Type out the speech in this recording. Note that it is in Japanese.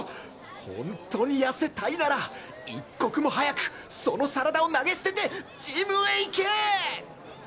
ほんとに痩せたいなら一刻も早くそのサラダを投げ捨ててジムへ行け！